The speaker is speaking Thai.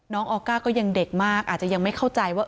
ออก้าก็ยังเด็กมากอาจจะยังไม่เข้าใจว่า